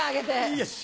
よし！